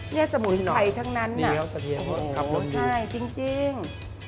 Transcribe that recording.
นี่สมุนไทยทั้งนั้นน่ะดีครับกระเทียมขับลงดีใช่จริง